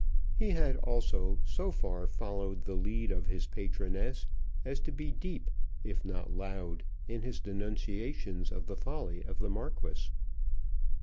He had also so far followed the lead of his patroness as to be deep if not loud in his denunciations of the folly of the Marquis.